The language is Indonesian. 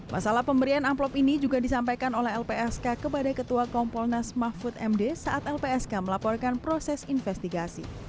masalah pemberian amplop ini juga disampaikan oleh lpsk kepada ketua kompolnas mahfud md saat lpsk melaporkan proses investigasi